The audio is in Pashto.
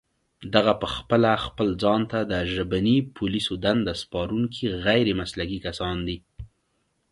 دغه پخپله خپل ځان ته د ژبني پوليسو دنده سپارونکي غير مسلکي کسان دي